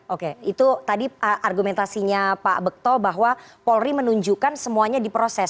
oke itu tadi argumentasinya pak bekto bahwa polri menunjukkan semuanya diproses